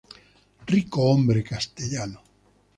Ricohombre castellano.